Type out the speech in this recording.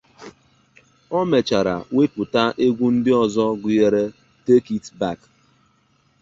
O mechara wepụta egwu ndị ozo gụnyere "Take it Back".